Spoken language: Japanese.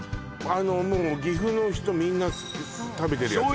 あのもう岐阜の人みんな食べてるやつよね